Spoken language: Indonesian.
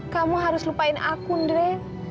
kamu harus lupain aku andre